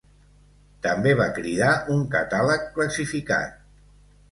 També va cridar un catàleg classificat.